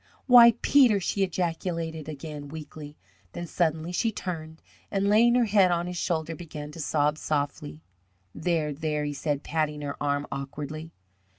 "Why, Peter!" she ejaculated again, weakly. Then suddenly she turned, and laying her head on his shoulder, began to sob softly. "There, there," he said, patting her arm awkwardly.